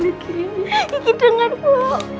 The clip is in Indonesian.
ikki dengar bu